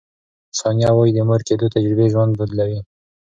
ثانیه وايي، د مور کیدو تجربې ژوند بدلوي.